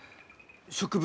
植物